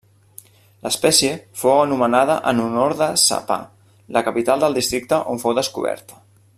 L'espècie fou anomenada en honor de Sa Pa, la capital del districte on fou descoberta.